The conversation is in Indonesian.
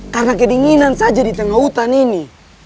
karena kedinginan saja di tengah hutan ini